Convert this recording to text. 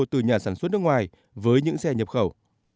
từ nhà sản xuất nước ngoài với những xe nhập khẩu